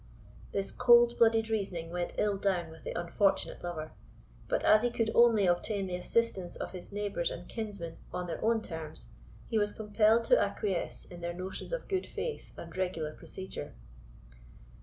This cold blooded reasoning went ill down with the unfortunate lover; but, as he could only obtain the assistance of his neighbours and kinsmen on their own terms, he was compelled to acquiesce in their notions of good faith and regular procedure.